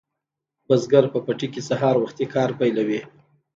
بزګر په پټي کې سهار وختي کار پیلوي.